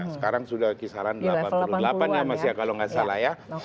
sekarang sudah kisaran delapan puluh delapan ya kalau nggak salah